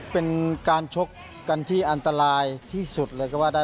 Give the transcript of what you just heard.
เป็นการชกกันที่อันตรายที่สุดเลยก็ว่าได้